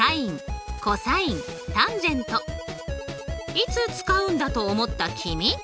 いつ使うんだと思った君！